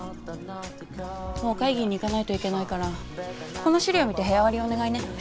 もう会議に行かないといけないからこの資料見て部屋割りをお願いね。